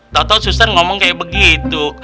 tau tau suster ngomong kayak begitu